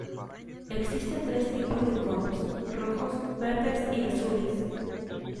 Existen tres tipos de conos: Rojos, Verdes y Azules.